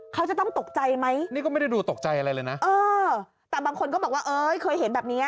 เขาจะต้องตกใจไหมเออแต่บางคนก็บอกว่าเคยเห็นแบบนี้